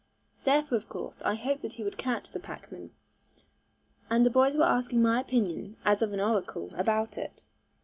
Therefore of course, I hoped that he would catch the packmen, and the boys were asking my opinion as of an oracle, about it.